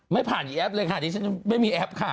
ไม่ผ่านแอปเลยค่ะดิฉันยังไม่มีแอปค่ะ